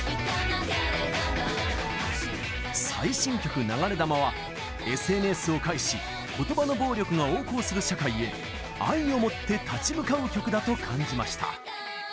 最新曲「流れ弾」は ＳＮＳ を介し言葉の暴力が横行する社会へ愛を持って立ち向かう曲だと感じました。